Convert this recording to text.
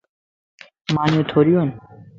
مانيون ٿوريون ون.